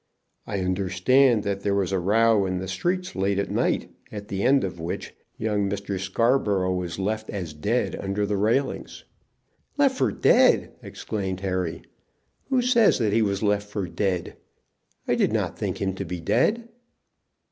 "I understand that there was a row in the streets late at night, at the end of which young Mr. Scarborough was left as dead under the railings." "Left for dead!" exclaimed Harry. "Who says that he was left for dead? I did not think him to be dead."